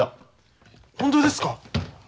本当ですか？